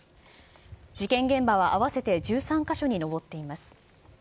事件現場は合わせて１３か所に上っています。